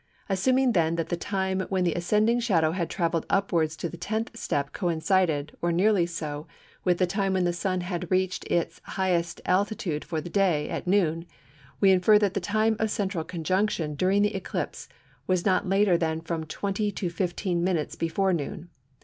Assuming then that the time when the ascending shadow had travelled upwards to the tenth step coincided, or nearly so, with the time when the Sun had reached its highest altitude for the day, at noon, we infer that the time of central conjunction during this eclipse was not later than from 20 to 15 minutes before noon.